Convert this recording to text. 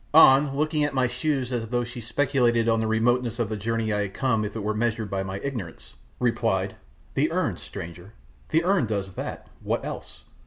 An, looking at my shoes as though she speculated on the remoteness of the journey I had come if it were measured by my ignorance, replied, "The urn, stranger, the urn does that what else?